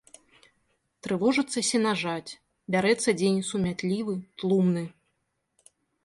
Трывожыцца сенажаць, бярэцца дзень сумятлівы, тлумны.